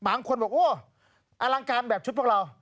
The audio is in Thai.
บางคนบอกโอ้อลังการแบบชุดพวกเรา